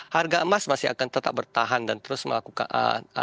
harga emas masih akan tetap bertahan dan terus melakukan naik walaupun tidak mungkin